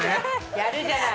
やるじゃない。